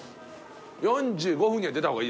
４５分には出た方がいいですか。